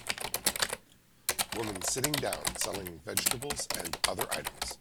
Woman sitting down selling vegetables and other items